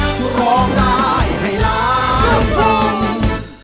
ใกล้เก็บใกล้เก็บใกล้